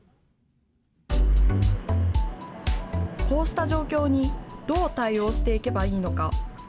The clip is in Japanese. こうした状況に、どう対応していけばいいのか。